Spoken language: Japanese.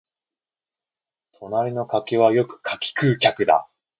隣の柿はよく客食う柿だ